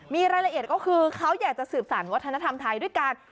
มีรายละเอียดก็คือเขาอยากจะสืบสารวัฒนธรรมไทยด้วยกัน